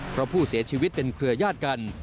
เพราะผู้เสียชีวิตเป็นเครือญาติกัน